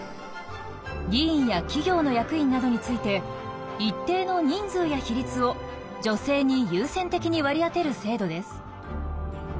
議員や企業の役員などについて一定の人数や比率を女性に優先的に割り当てる制度です。